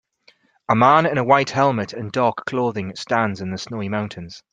A man in a white helmet and dark clothing stands in the snowy mountains.